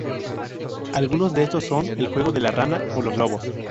Algunos de estos son el Juego de la rana o los bolos.